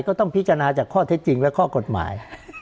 ก็ต้องพิจารณาจากข้อเท็จจริงและข้อกฎหมาย